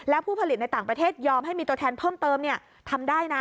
และผู้ผลิตในต่างประเทศยอมให้มีตัวแทนเพิ่มเติมทำได้นะ